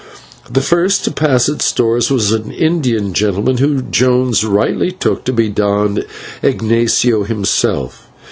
The first to pass its doors was an Indian gentleman, whom Jones rightly took to be Don Ignatio himself.